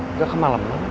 nggak kemalem banget